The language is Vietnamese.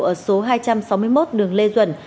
ở số hai trăm sáu mươi một đường lê duẩn